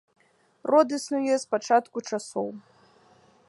Род існуе з пачатку часоў.